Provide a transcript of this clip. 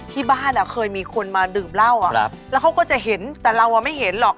ที่บ้านเคยมีคนมาดื่มเหล้าแล้วเขาก็จะเห็นแต่เราไม่เห็นหรอก